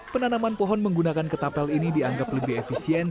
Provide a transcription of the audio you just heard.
penanaman pohon menggunakan ketapel ini dianggap lebih efisien